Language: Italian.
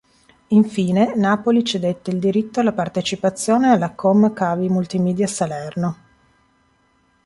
Infine, Napoli cedette il diritto alla partecipazione alla Com Cavi Multimedia Salerno.